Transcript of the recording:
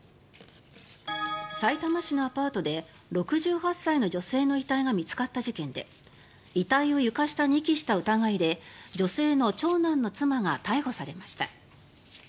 さいたま市のアパートで６８歳の女性の遺体が見つかった事件で遺体を床下に遺棄した疑いで女性の長男の妻が逮捕されました。